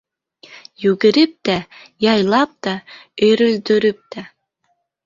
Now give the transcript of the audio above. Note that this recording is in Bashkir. Йүгереп тә, яйлап та, өйрөлдөрөп тә.